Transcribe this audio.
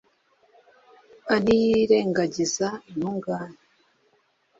antiyirengagiza intungane